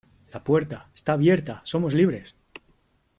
La puerta .¡ está abierta !¡ somos libres !